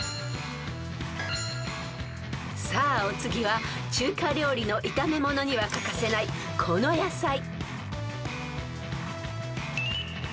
［さあお次は中華料理の炒め物には欠かせないこの野菜］